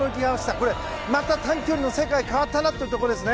これ、また短距離の世界が変わったというところですね。